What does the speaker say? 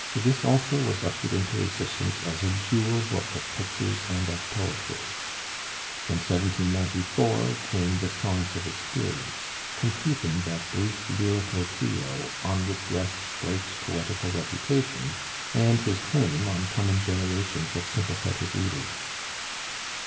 This also was ushered into existence as a dual book of pictures and of poetry. In 1794 came the 'Songs of Experience,' completing that brief lyrical trio on which rests Blake's poetical reputation and his claim on coming generations of sympathetic readers.